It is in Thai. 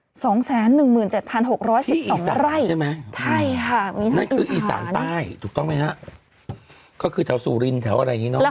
ที่อีสานใช่ไหมใช่ค่ะนั่นคืออีสานใต้ถูกต้องไหมฮะก็คือแถวสูรินแถวอะไรนี้เนาะ